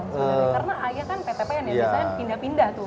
karena ayah kan pt pen yang biasanya pindah pindah